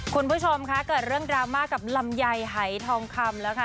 คุณผู้ชมค่ะเกิดเรื่องดราม่ากับลำไยหายทองคำแล้วค่ะ